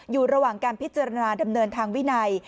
อยู่ระหว่างการพิจารณาดำเนินทางวินัย